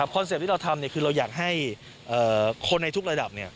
เซ็ปต์ที่เราทำคือเราอยากให้คนในทุกระดับ